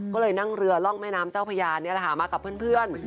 ก็เลยนั่งเรือร่องแม่น้ำเจ้าพญานมากับเพื่อน